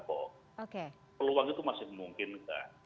peluang itu masih memungkinkan